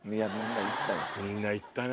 みんな行ったよ。